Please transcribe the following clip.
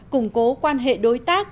củng cố quan hệ đối tác